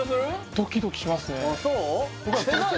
ドキドキしますねそう？